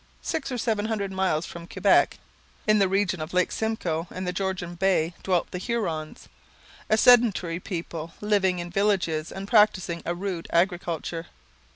Six or seven hundred miles from Quebec, in the region of Lake Simcoe and the Georgian Bay, dwelt the Hurons, a sedentary people living in villages and practising a rude agriculture.